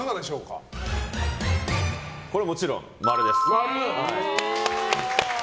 これはもちろん、○です。